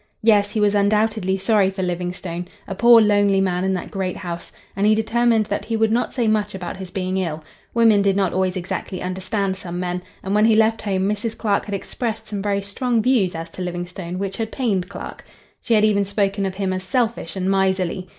Yes, he was undoubtedly sorry for Livingstone, a poor lonely man in that great house; and he determined that he would not say much about his being ill. Women did not always exactly understand some men, and when he left home, Mrs. Clark had expressed some very strong views as to Livingstone which had pained Clark. She had even spoken of him as selfish and miserly.